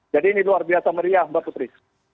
jadi ini luar biasa meriah mbak putri